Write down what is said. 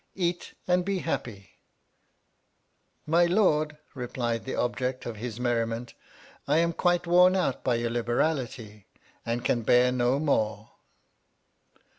Eat and be happy ! My Lord, re plied the object of his merriment, I am quite worn out by your liberality, and can bear no more.